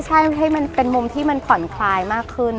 ใช่ให้มันเป็นมุมที่มันผ่อนคลายมากขึ้น